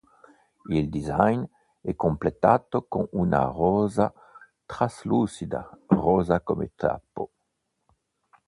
Il design è completato con una rosa traslucida rosa come tappo.